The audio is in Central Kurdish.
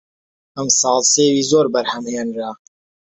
ئەمساڵ سێوی زۆر بەرهەم هێنرا